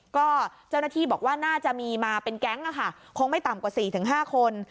ก็เจ้าหน้าที่บอกว่าน่าจะมีมาเป็นแก๊งคงไม่ต่ำกว่า๔๕คน